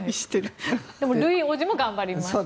でも、ルイ王子も頑張りましたね。